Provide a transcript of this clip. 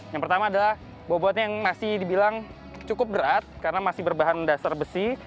yang pertama adalah bobotnya yang masih dibilang cukup berat karena masih berbahan dasar besi